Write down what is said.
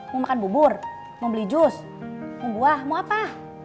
mau makan bubur membeli jus mau buah mau apa